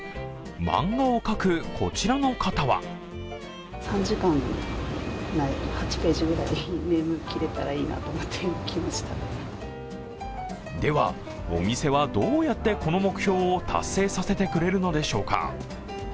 漫画を描くこちらの方はではお店は、どうやってこの目標を達成させてくれるのでしょうか。